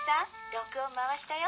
録音回したよ。